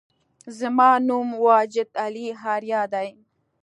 زما نوم واجد علي آریا دی